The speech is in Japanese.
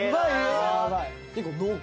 結構濃厚。